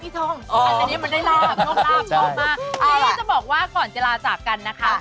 ที่เนี่ยจะบอกว่าก่อนจะลาจากกันนะคะ